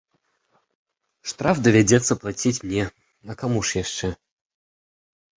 Штраф давядзецца плаціць мне, а каму ж яшчэ?